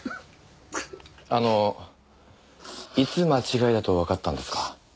あのいつ間違いだとわかったんですか？